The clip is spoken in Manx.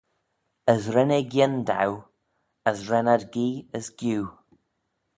As ren eh gien daue, as ren ad gee as giu.